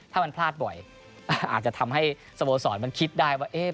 ถ้ามันพลาดบ่อยอาจจะทำให้สโมสรมันคิดได้ว่า